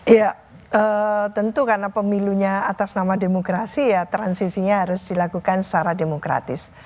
ya tentu karena pemilunya atas nama demokrasi ya transisinya harus dilakukan secara demokratis